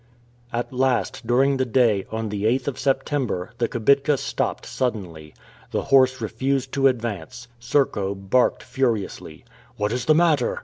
At last, during the day, on the 8th of September, the kibitka stopped suddenly. The horse refused to advance. Serko barked furiously. "What is the matter?"